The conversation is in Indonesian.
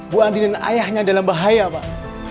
bu andi dan ayahnya dalam bahaya pak